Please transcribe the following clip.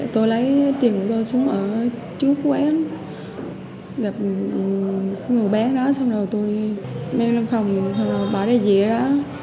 tôi lấy tiền của tôi xuống ở trước quán gặp người bán đó xong rồi tôi mang lên phòng xong rồi bỏ ra dĩa đó